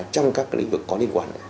trong các cái lĩnh vực có liên quan